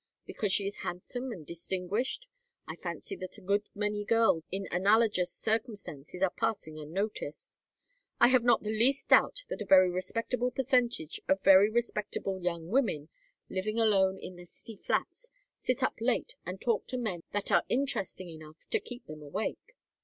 Because she is handsome and distinguished? I fancy that a good many girls in analogous circumstances are passing unnoticed. I have not the least doubt that a very respectable percentage of very respectable young women, living alone in their city flats, sit up late and talk to men that are interesting enough to keep them awake.